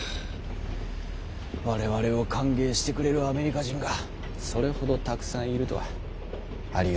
我々を歓迎してくれるアメリカ人がそれほどたくさんいるとはありがたいことだ。